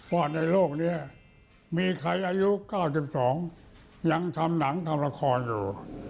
ในโลกนี้มีใครอายุ๙๒ยังทำหนังทำละครอยู่